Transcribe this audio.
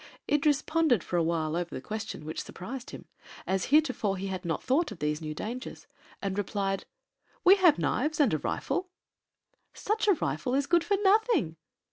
Idris pondered for a while over the question, which surprised him, as heretofore he had not thought of these new dangers, and replied: "We have knives and a rifle." "Such a rifle is good for nothing."